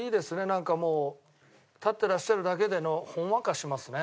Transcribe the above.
なんかもう立っていらっしゃるだけでほんわかしますね。